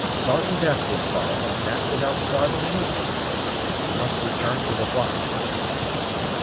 Sartain death would follow, and that without sarving any one. We must return to the block."